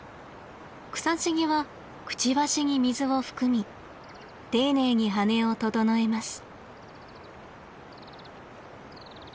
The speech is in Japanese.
クサシギはくちばしに水を含み丁寧に羽を整えます。